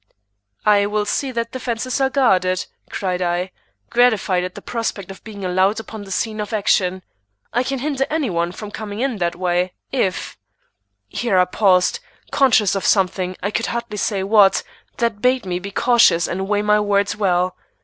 "I will see that the fences are guarded," cried I, gratified at the prospect of being allowed upon the scene of action. "I can hinder any one from coming in that way, if " Here I paused, conscious of something, I could hardly say what, that bade me be cautious and weigh my words well.